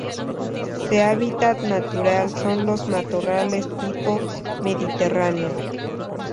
Se hábitat natural son los matorrales tipo mediterráneo.